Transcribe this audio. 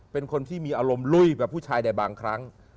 เป็นคนที่มีอารมณ์ลุยกับผู้ชายใดบางครั้ง